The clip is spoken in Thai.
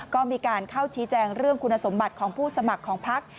ก็มีการเข้าชี้แจงเรื่องคุณสมบัติของผู้สมัครของพัก